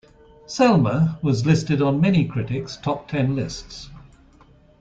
"Selma" was listed on many critics' top ten lists.